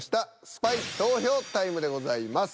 スパイ投票タイムでございます。